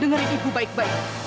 dengar ibu baik baik